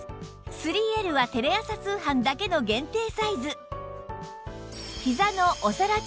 ３Ｌ はテレ朝通販だけの限定サイズ